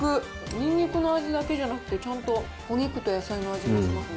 にんにくの味だけじゃなくて、ちゃんとお肉と野菜の味もしますね。